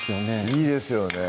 いいですよね